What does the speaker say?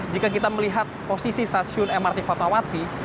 jika kita melihat posisi stasiun mrt fatwati